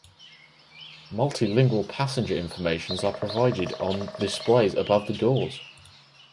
Multilingual passenger informations are provided on displays above the doors.